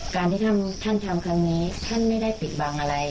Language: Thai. การที่ท่านทำครั้งนี้ท่านไม่ได้ปิดบังอะไร